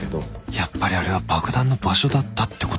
やっぱりあれは爆弾の場所だったってことか？